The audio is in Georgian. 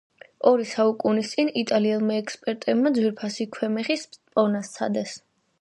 ორი საუკუნის წინ იტალიელმა ექსპერტებმა ძვირფასი ქვემეხის პოვნა სცადეს.